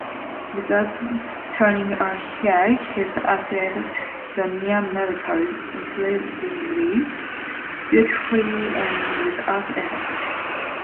Without turning a hair he achieved the near-miracle, incredibly beautifully and without effort.